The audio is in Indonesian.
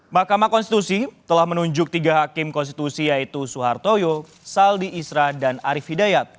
mahkamah konstitusi telah menunjuk tiga hakim konstitusi yaitu suhartoyo saldi isra dan arief hidayat